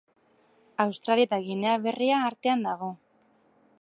Australia eta Ginea Berria artean dago.